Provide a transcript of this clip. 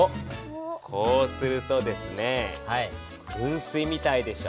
こうするとですねふん水みたいでしょ。